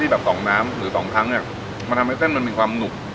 แบบสองน้ำหรือสองครั้งเนี่ยมันทำให้เส้นมันมีความหนุก